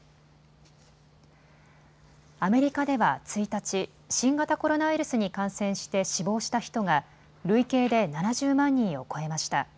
アメリカでは１日、新型コロナウイルスに感染して死亡した人が累計で７０万人を超えました。